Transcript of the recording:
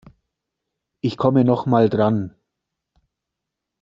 Ich komme noch mal dran.